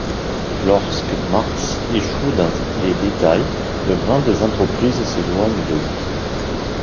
Lorsque Marx échoue dans des détails, de grandes entreprises s'éloignent de lui.